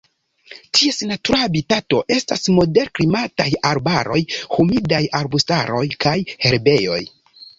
Ties natura habitato estas moderklimataj arbaroj, humidaj arbustaroj kaj herbejoj.